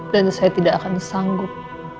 dan saya tidak akan sanggup